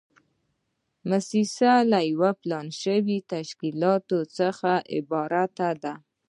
موسسه له یو پلان شوي تشکیل څخه عبارت ده.